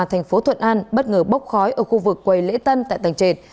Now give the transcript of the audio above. thành phố thuận an bất ngờ bốc khói ở khu vực quầy lễ tân tại tành trệt